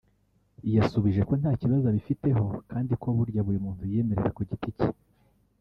yadusubije ko nta gisubizo abifiteho kandi ko burya buri muntu yiyemera ku giti cye